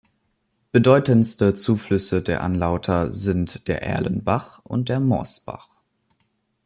Bedeutendste Zuflüsse der Anlauter sind der Erlenbach und der Morsbach.